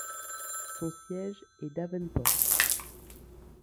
Son siège est Davenport.